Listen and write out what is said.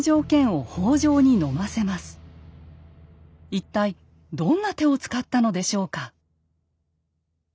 一体どんな手を使ったのでしょうか？